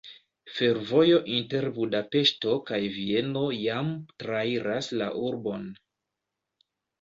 Fervojo inter Budapeŝto kaj Vieno jam trairas la urbon.